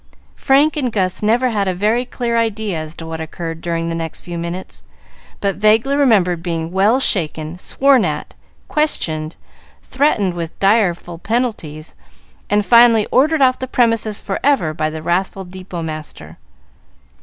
Frank and Gus never had a very clear idea as to what occurred during the next few minutes, but vaguely remembered being well shaken, sworn at, questioned, threatened with direful penalties, and finally ordered off the premises forever by the wrathful depot master.